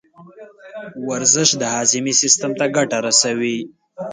ورزش د هاضمې سیستم ته ګټه رسوي.